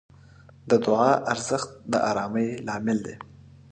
د دعا ارزښت د آرامۍ لامل دی.